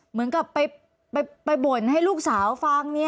เหมือนกับไปบ่นให้ลูกสาวฟัง